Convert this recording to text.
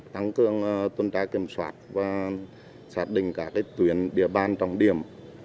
tăng cường tuần tra kiểm soát và xác định cả tuyển địa bàn trọng điểm